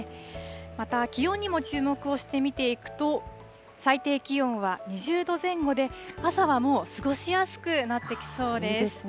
また気温にも注目をしてみていくと、最低気温は２０度前後で、朝はもう過ごしやすくなってきそうです。